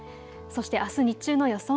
そしてあす日中の予想